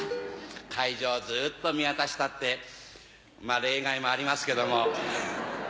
会場ずっと見渡したってまぁ例外もありますけども。